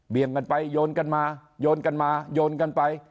กันไปโยนกันมาโยนกันมาโยนกันไป